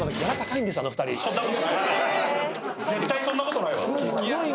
そんなことないわ。